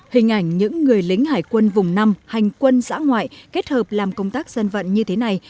hình ảnh những người lính hải quân vùng năm hành quân giã ngoại kết hợp làm công tác dân vận như thế này